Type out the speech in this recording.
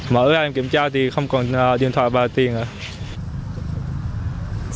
mở ra em kiểm tra thì không còn điện thoại và tiền ạ